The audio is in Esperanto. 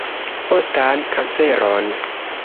Ostan kanceron.